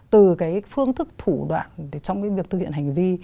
từ cái phương thức thủ đoạn trong cái việc thực hiện hành vi